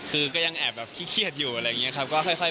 คือก็ยังแอบแบบเครียดอยู่อะไรอย่างนี้ครับ